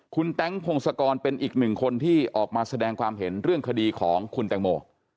คุณแต๊งพงศกรเป็นอีกหนึ่งคนที่ออกมาแสดงความเห็นเรื่องคดีของคุณแตงโม